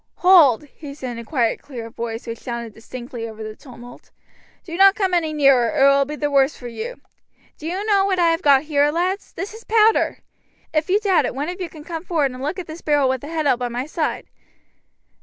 "Hold!" he said in a quiet, clear voice, which sounded distinctly over the tumult. "Do not come any nearer, or it will be the worse for you. Do you know what I have got here, lads? This is powder. If you doubt it, one of you can come forward and look at this barrel with the head out by my side.